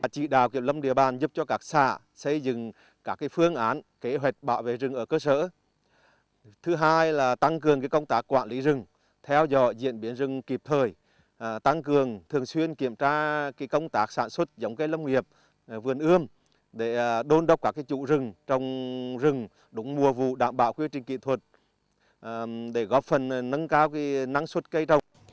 chị đào kiểm lâm địa bàn giúp cho các xã xây dựng các phương án kế hoạch bảo vệ rừng ở cơ sở thứ hai là tăng cường công tác quản lý rừng theo dõi diễn biến rừng kịp thời tăng cường thường xuyên kiểm tra công tác sản xuất giống cây lâm nghiệp vườn ươm để đôn đốc các chủ rừng trong rừng đúng mùa vụ đảm bảo quyết trình kỹ thuật để góp phần nâng cao năng suất cây trồng